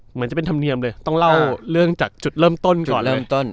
เหมือนจะเป็นธรรมเนียมเลยต้องเล่าเรื่องจากจุดเริ่มต้นก่อนเริ่มต้น